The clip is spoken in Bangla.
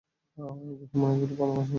এই গ্রহের মানুষদের ভালোবাসি আমি।